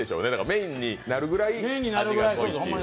メインになるぐらい味が濃いという。